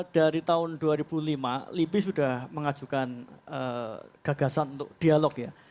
dari tahun dua ribu lima lipi sudah mengajukan gagasan untuk dialog ya